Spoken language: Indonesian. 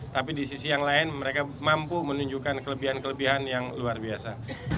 tapi di sisi yang lain mereka mampu menunjukkan kelebihan kelebihan yang luar biasa